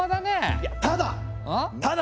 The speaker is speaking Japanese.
いやただ！